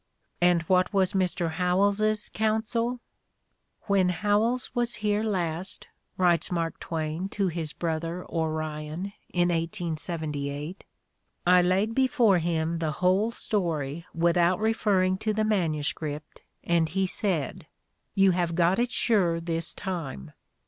And what was Mr. Howells's counsel? "When Howells was here last," writes Mark Twain to his brother Orion in 1878, "I laid before him the whole story without referring to the MS. and he said: 'You have got it sure this time.